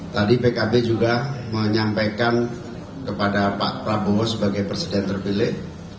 tadi pkb juga menyampaikan kepada pak prabowo sebagai presiden terpilih